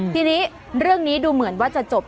ทีนี้เรื่องนี้ดูเหมือนว่าจะจบ